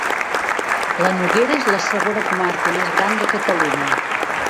La Noguera és la segona comarca més gran de Catalunya.